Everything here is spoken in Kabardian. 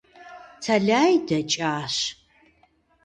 Тэлай дэкӀащ.